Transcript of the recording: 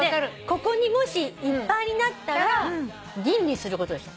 ここにもしいっぱいになったら吟味することにした。